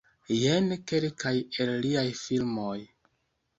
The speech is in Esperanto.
Jen kelkaj el liaj filmoj.